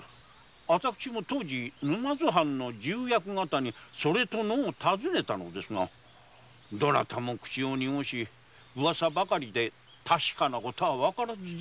私も当時沼津藩の重役方にそれとのう尋ねたのですがだれも口を濁しウワサばかりで確かなことはわからずじまいに。